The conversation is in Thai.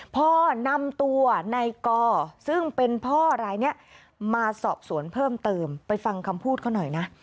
พ่อนำตัวในกอซึ่งเป็นพ่อรายนี้มาสอบสวนเพิ่มเติมไปฟังคำพูดเขาหน่อยนะ